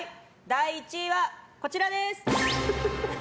第１位はこちらです。